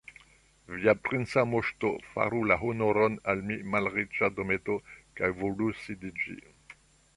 Via princa moŝto faru la honoron al mia malriĉa dometo kaj volu sidiĝi.